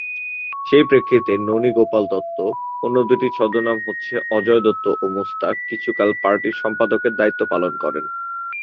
সেই প্রেক্ষিতে ননী গোপাল দত্ত, অন্য দুটি ছদ্মনাম হচ্ছে অজয় দত্ত ও মোস্তাক, কিছুকাল পার্টির সম্পাদকের দায়িত্ব পালন করেন।